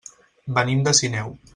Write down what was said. Venim de Sineu.